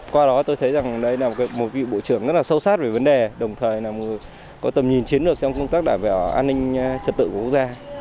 qua đó tôi thấy rằng đây là một vị bộ trưởng rất là sâu sát về vấn đề đồng thời là có tầm nhìn chiến lược trong công tác đảm bảo an ninh trật tự của quốc gia